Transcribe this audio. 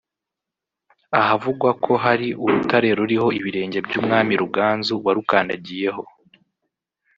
ahavugwa ko hari urutare ruriho ibirenge by’umwami Ruganzu warukandagiyeho